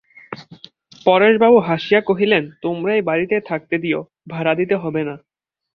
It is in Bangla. পরেশবাবু হাসিয়া কহিলেন, তোমারই বাড়িতে থাকতে দিয়ো, ভাড়া দিতে হবে না।